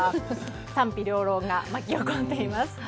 賛否両論が巻き起こっています。